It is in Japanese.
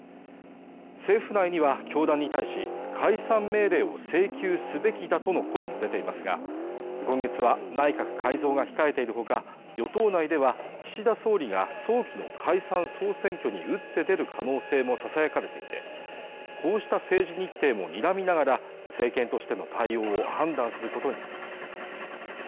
政府内には教団に対し解散命令を請求すべきだとの声も出ていますが今月は内閣改造が控えているほか与党内では岸田総理が早期の解散総選挙に打って出る可能性もささやかれていてこうした政治日程をにらみながら政権としての対応を判断することになります